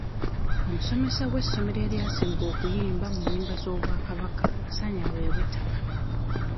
Omusomesa w'essomero eryasinga okuyimba mu nnyimba z'obwakabaka asaanye aweebwe ettaka.